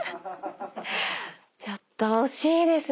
ちょっと惜しいですね。